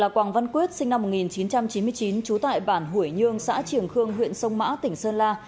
quảng văn quyết sinh năm một nghìn chín trăm chín mươi chín trú tại bản hủy nhương xã triềng khương huyện sông mã tỉnh sơn la